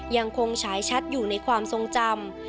ฉายชัดอยู่ในความทรงจำ